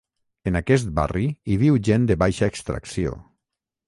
En aquest barri hi viu gent de baixa extracció.